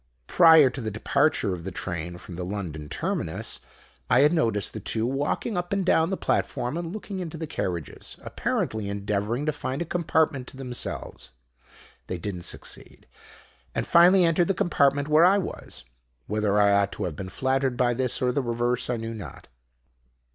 "Prior to the departure of the train from the London terminus, I had noticed the two walking up and down the platform and looking into the carriages, apparently endeavouring to find a compartment to themselves. They did not succeed, and finally entered the compartment where I was. Whether I ought to have been flattered by this, or the reverse, I knew not.